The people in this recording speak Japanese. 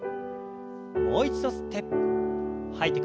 もう一度吸って吐いて。